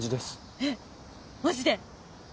えっマジで！？